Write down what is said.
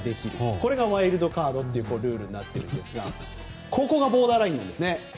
これがワイルドカードというルールになっていますがここがボーダーラインなんですね。